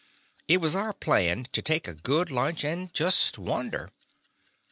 It was our plan to take a good lunch, and just wander.